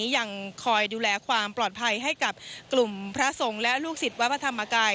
ยังคอยดูแลความปลอดภัยให้กับกลุ่มพระสงฆ์และลูกศิษย์วัดพระธรรมกาย